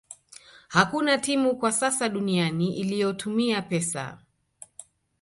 Hakuna timu kwa sasa duniani iliyotumia pesa